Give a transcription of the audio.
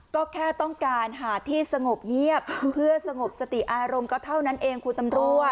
ก็แค่ต้องการหาที่สงบเงียบเพื่อสงบสติอารมณ์ก็เท่านั้นเองคุณตำรวจ